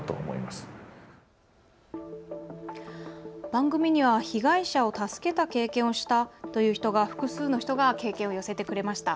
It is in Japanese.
番組には被害者を助けた経験をしたという人が経験を寄せてくれました。